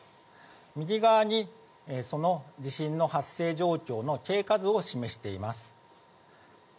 右側に、その地震の発生状況の経過図を示しています。